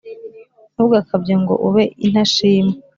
Ntugakabye ngo ube intashima